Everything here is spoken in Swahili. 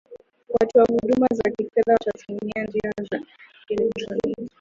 watoa huduma za kifedha watatumia njia ya kielektroniki